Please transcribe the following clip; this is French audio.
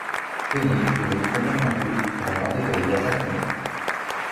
Tony, devenu complètement fou, va tenter de les assassiner.